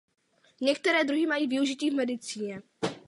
Některé druhy mají využití v medicíně.